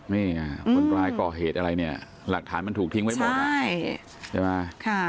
นี่ไงคนร้ายก่อเหตุอะไรเนี่ยหลักฐานมันถูกทิ้งไว้หมดใช่ไหม